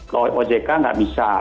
ke ojk gak bisa